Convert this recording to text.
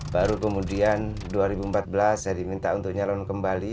baru kemudian dua ribu empat belas saya diminta untuk nyalon kembali